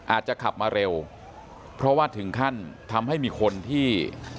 อาจจะขับมาเร็วเพราะว่าถึงขั้นทำให้มีคนที่